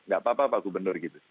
gak apa apa pak gubernur gitu